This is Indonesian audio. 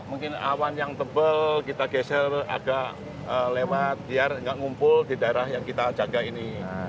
mungkin awan yang tebal kita geser agak lewat biar nggak ngumpul di daerah yang kita jaga ini